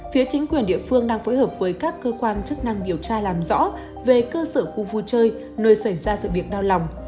phía chính quyền địa phương đang phối hợp với các cơ quan chức năng điều tra làm rõ về cơ sở khu vui chơi nơi xảy ra sự việc đau lòng